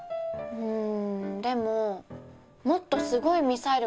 うん？